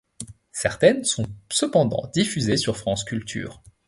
Certaines sont cependant diffusées sur France Culture.